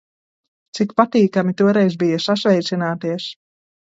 Cik patīkami toreiz bija sasveicināties!